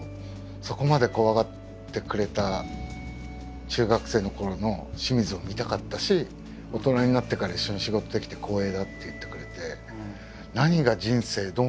「そこまで怖がってくれた中学生のころの清水を見たかったし大人になってから一緒に仕事できて光栄だ」って言ってくれて。